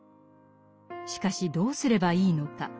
しかしどうすればいいのか？